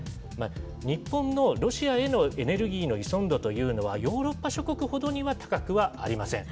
日本のロシアへのエネルギーの依存度というのは、ヨーロッパ諸国ほどには高くはありません。